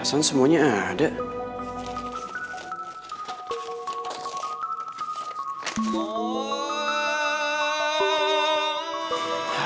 rasan semuanya ada